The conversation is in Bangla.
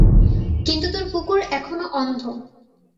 কিন্তু তোর কুকুর এখনো অন্ধ।